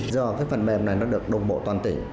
giờ cái phần mềm này nó được đồng bộ toàn tỉnh